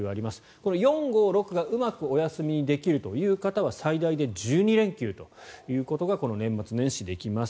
この４、５、６がうまくお休みできるという方は最大で１２連休ということがこの年末年始、できます。